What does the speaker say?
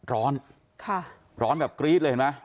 ร้อนร้อนแบบกรี๊ดเลยเห็นไหม